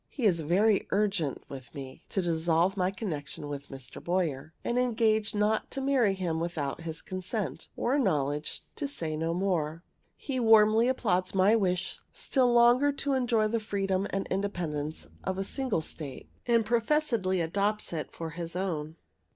He is very urgent with me to dissolve my connection with Mr. Boyer, and engage not to marry him without his consent, or knowledge, to say no more. He warmly applauds my wish still longer to enjoy the freedom and independence of a single state, and professedly adopts it for his own.